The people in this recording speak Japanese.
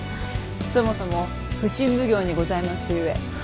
そもそも普請奉行にございますゆえ。